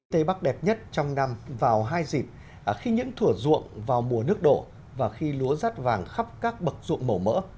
tây bắc đẹp nhất trong năm vào hai dịp khi những thủa ruộng vào mùa nước đổ và khi lúa rát vàng khắp các bậc ruộng màu mỡ